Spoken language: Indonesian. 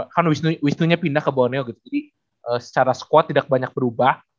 kan wisnunya pindah ke borneo gitu jadi secara squad tidak banyak berubah